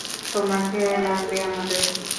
তোমাকে লাগবে আমাদের।